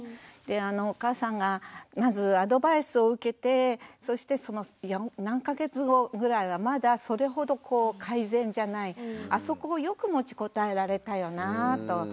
でお母さんがまずアドバイスを受けてそしてその何か月後ぐらいはまだそれほど改善じゃないあそこをよく持ちこたえられたよなぁと。